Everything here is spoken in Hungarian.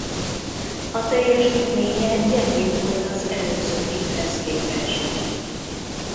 A teljesítménye gyengébb volt az előző évhez képest.